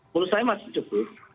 menurut saya masih cukup